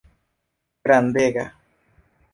grandega